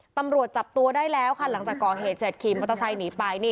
ตำรวจจับตัวได้แล้วค่ะหลังจากก่อเหตุเสร็จขี่มอเตอร์ไซค์หนีไป